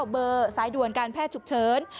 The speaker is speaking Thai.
เบอร์สายด่วนการแพทย์ฉุกเฉิน